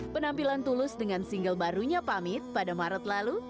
penampilan tulus dengan single barunya pamit pada maret lalu